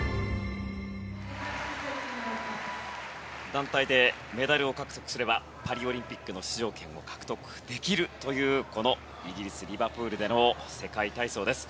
団体でメダルを獲得すればパリオリンピックの出場権を獲得できるというこのイギリス・リバプールでの世界体操です。